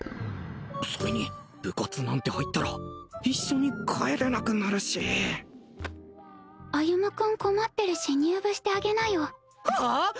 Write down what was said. それに部活なんて入ったら一緒に帰れなくなるし歩君困ってるし入部してあげなよはあ！？